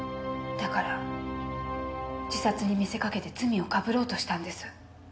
だから自殺に見せかけて罪をかぶろうとしたんです。